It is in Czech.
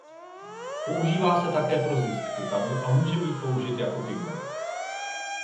Používá se také pro zisk titanu a může být použit jako pigment.